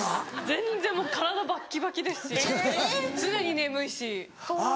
全然もう体バッキバキですし常に眠いし。